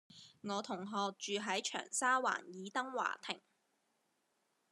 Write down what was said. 我同學住喺長沙灣爾登華庭